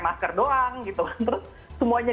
masker doang gitu kan terus semuanya